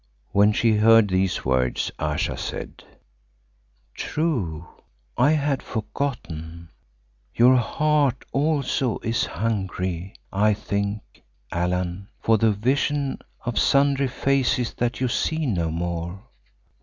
When she heard these words Ayesha said, "True, I had forgotten. Your heart also is hungry, I think, Allan, for the vision of sundry faces that you see no more.